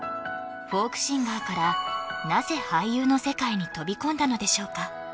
フォークシンガーからなぜ俳優の世界に飛び込んだのでしょうか？